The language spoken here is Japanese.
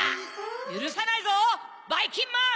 ゆるさないぞばいきんまん！